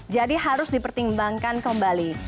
jadi harus dipertimbangkan kembali